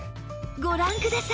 ご覧ください